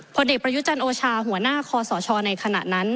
ผลเอกประยุจันทร์โอชาหัวหน้าคอสชในขณะนั้น